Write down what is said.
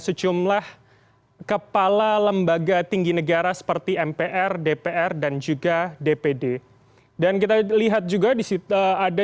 sejumlah kepala lembaga tinggi negara seperti mpr dpr dan juga dpd dan kita lihat juga disitu ada